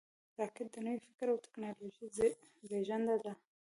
راکټ د نوي فکر او ټېکنالوژۍ زیږنده ده